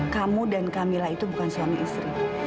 kamu dan camillah itu bukan suami istri